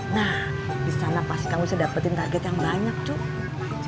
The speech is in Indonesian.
nah disana pasti kamu bisa dapetin target yang banyak cucu